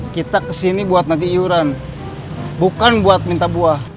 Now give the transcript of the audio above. kita kesini buat nanti yuran bukan buat minta buah